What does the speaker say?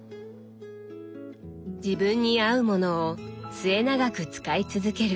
自分に合うものを末永く使い続ける。